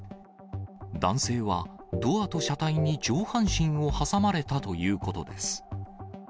男性はドアと車体に上半身を挟まれたということです。